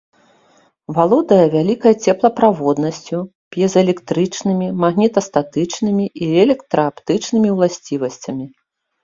Валодае вялікай цеплаправоднасцю, п'езаэлектрычнымі, магнітастатычнымі і электрааптычнымі ўласцівасцямі.